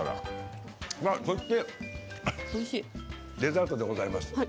デザートでございます。